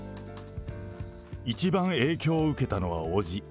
一番影響を受けたのは伯父。